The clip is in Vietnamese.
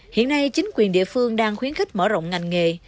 hiện nay chính quyền địa phương đang khuyến khích mở rộng ngành nghề